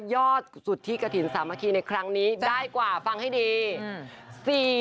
สุดที่กระถิ่นสามัคคีในครั้งนี้ได้กว่าฟังให้ดี